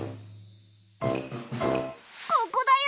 ここだよ！